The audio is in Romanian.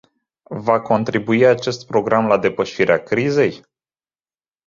Va contribui acest program la depășirea crizei?